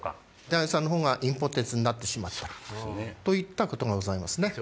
・男優さんのほうがインポテンツになってしまったことがございます。